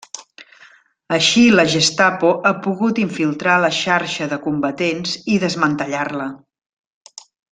Així la Gestapo ha pogut infiltrar la xarxa de combatents i desmantellar-la.